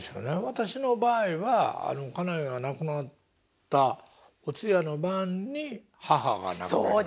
私の場合は家内が亡くなったお通夜の晩に母が亡くなりまして。